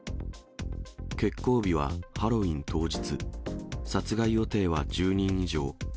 決行日はハロウィン当日、殺害予定は１０人以上。